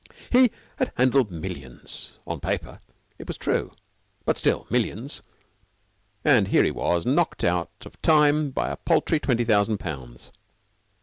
He had handled millions on paper, it was true, but still millions and here he was knocked out of time by a paltry twenty thousand pounds.